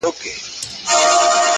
زموږ څه ژوند واخله.